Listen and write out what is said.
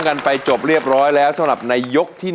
ขอเพียงเธอรออย่าลาอย่ารักไม่ตี